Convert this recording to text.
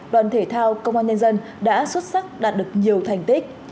đoàn thể thao công an nhân dân đã xuất sắc đạt được nhiều thành tích